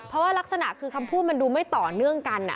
เพราะว่ารักษณะคือคำพูดมันดูไม่ต่อเนื่องกัน